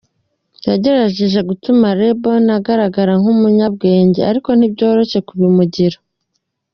"Yagerageje gutuma Lebron agaragara nk'umunyabwenge, ariko ntibyoroshye kubimugira.